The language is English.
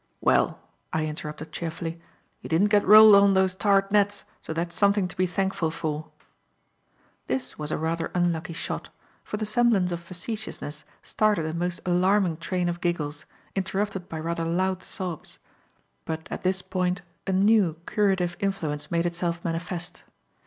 "Well," I interrupted cheerfully, "you didn't get rolled on those tarred nets, so that's something to be thankful for." This was a rather unlucky shot, for the semblance of facetiousness started a most alarming train of giggles, interrupted by rather loud sobs; but at this point, a new curative influence made itself manifest.